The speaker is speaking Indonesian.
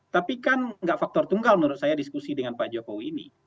tapi kan nggak faktor tunggal menurut saya diskusi dengan pak jokowi ini